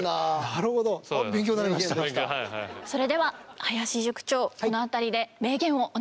それでは林塾長この辺りで名言をお願いします。